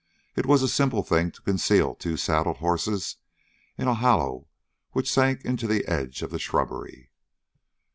It was a simple thing to conceal two saddled horses in a hollow which sank into the edge of the shrubbery.